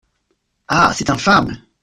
Ah ! c'est infâme.